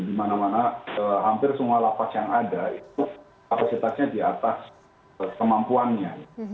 di mana mana hampir semua lapas yang ada itu kapasitasnya di atas kemampuannya